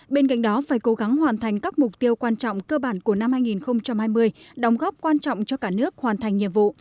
bên cạnh đó phải cố gắng hoàn thành các mục tiêu quan trọng cơ bản của năm hai nghìn hai mươi đóng góp quan trọng cho cả nước hoàn thành nhiệm vụ